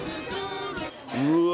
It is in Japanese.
うわ